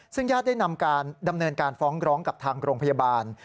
ซึ่งญาติได้นำดำเนินการฟ้องร้องกับทางโรงพยาบาล